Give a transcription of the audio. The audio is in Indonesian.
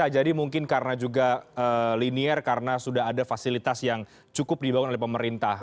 jadi mungkin karena juga linier karena sudah ada fasilitas yang cukup dibawa oleh pemerintah